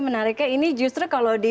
menariknya ini justru kalau di